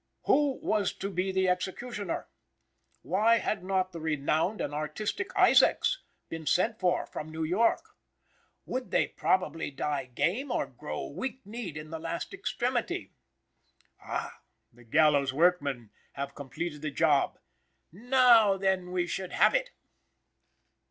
"Who was to be the executioner?" "Why had not the renowned and artistic Isaacs been sent for from New York?" "Would they probably die game, or grow weak kneed in the last extremity?" Ah, the gallows' workmen have completed the job! "Now then we should have it."